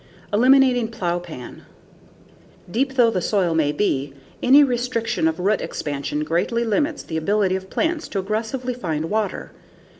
Eliminating Plowpan Deep though the soil may be, any restriction of root expansion greatly limits the ability of plants to aggressively find water.